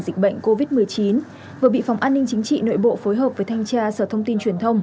dịch bệnh covid một mươi chín vừa bị phòng an ninh chính trị nội bộ phối hợp với thanh tra sở thông tin truyền thông